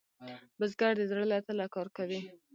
بزګر د زړۀ له تله کار کوي